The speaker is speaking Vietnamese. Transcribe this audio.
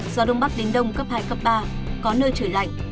gió đông bắc đến đông cấp hai cấp ba có nơi trời lạnh